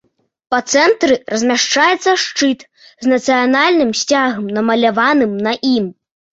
Па цэнтры размяшчаецца шчыт з нацыянальным сцягам, намаляваным на ім.